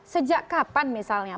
sejak kapan misalnya